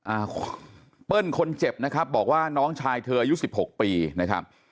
อ่าเปิ้ลคนเจ็บนะครับบอกว่าน้องชายเธออายุสิบหกปีนะครับ